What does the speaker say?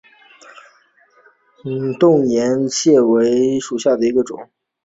钝额岩瓷蟹为瓷蟹科岩瓷蟹属下的一个种。